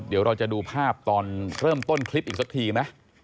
เดี๋ยวเราจะดูภาพตอนเริ่มต้นคลิปอีกสักทีไหม